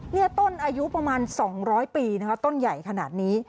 นี่ต้นอายุประมาณ๒๐๐ปีนะคะต้นใหญ่ขนาดนี้